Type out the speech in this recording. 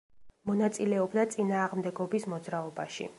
მონაწილეობდა წინააღმდეგობის მოძრაობაში.